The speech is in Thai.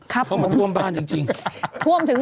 เขามาท่วมบ้านจริง